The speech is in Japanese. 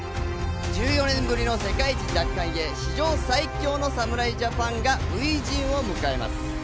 １４年ぶりの世界一奪還へ史上最強の侍ジャパンが初陣を迎えます。